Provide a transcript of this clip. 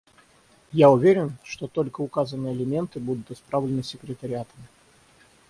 Я уверен, что только указанные элементы будут исправлены секретариатом.